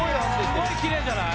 すごいきれいじゃない？